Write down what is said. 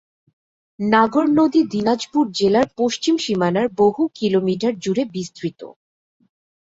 নাগর নদী দিনাজপুর জেলার পশ্চিম সীমানার বহু কিলোমিটার জুড়ে বিস্তৃত।